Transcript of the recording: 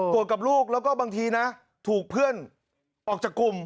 กับลูกแล้วก็บางทีนะถูกเพื่อนออกจากกลุ่ม